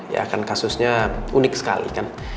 ya kan kasusnya unik sekali kan